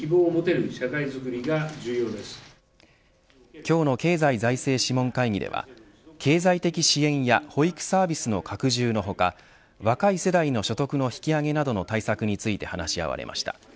今日の経済財政諮問会議では経済的支援や保育サービスの拡充の他若い世代の所得の引き上げなどの対策について話し合われました。